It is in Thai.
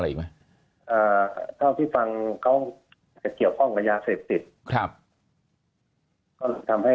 อะไรอีกไหมเท่าที่ฟังเขาเกี่ยวพร้อมกับยาเศรษฐศิลป์ทำให้